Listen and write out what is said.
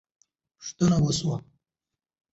پوښتنه وسوه.